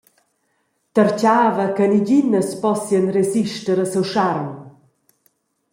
Tertgava che neginas possien resister a siu scharm.